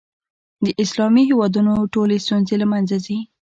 د اسلامي هېوادونو ټولې ستونزې له منځه ځي.